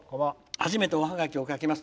初めておはがきを書きます。